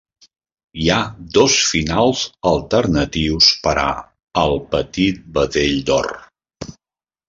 Hi ha dos finals alternatius per a "El petit vedell d'or".